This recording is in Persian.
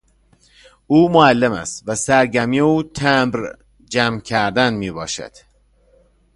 او معلم است و سرگرمی او تمبر جمع کردن میباشد.